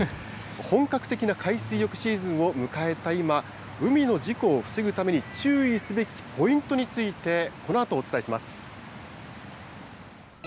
本格的な海水浴シーズンを迎えた今、海の事故を防ぐために注意すべきポイントについて、このあとお伝えします。